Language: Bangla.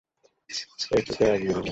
এইকোকে রাগিয়ে দিলো!